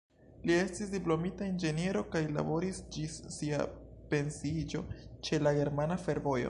Li estis diplomita inĝeniero kaj laboris ĝis sia pensiiĝo ĉe la Germana Fervojo.